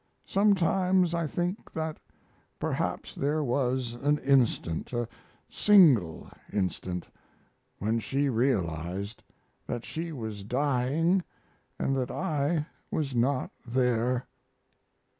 Sometimes I think that perhaps there was an instant a single instant when she realized that she was dying and that I was not there."